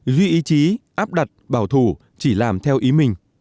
duy ý chí áp đặt bảo thủ chỉ làm theo ý mình